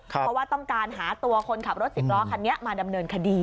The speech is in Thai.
เพราะว่าต้องการหาตัวคนขับรถสิบล้อคันนี้มาดำเนินคดี